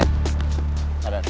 tadar kamu mau ngapain